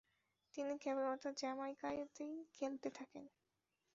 তিনি কেবলমাত্র জ্যামাইকাতেই খেলতে থাকেন।